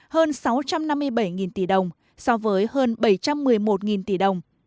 hơn sáu trăm năm mươi bảy tỷ đồng so với hơn bảy trăm một mươi một tỷ đồng